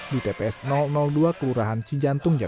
di tps dua kelurahan cijantung